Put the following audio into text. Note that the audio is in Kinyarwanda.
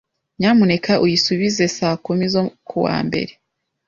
Nyamuneka uyisubize saa kumi zo kuwa mbere.